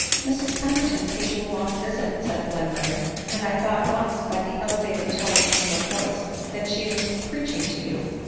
" Mrs Pemberton paid you a long visit," said Glen murray, u and I thought once, by the elevated tone of her voice, that she was preaching to you."